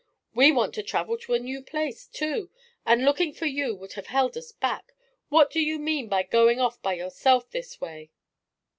We want to travel to a new place, too, and looking for you would have held us back. What do you mean by going off by yourself this way?"